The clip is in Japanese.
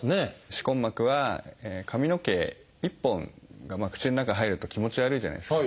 歯根膜は髪の毛１本が口の中へ入ると気持ち悪いじゃないですか。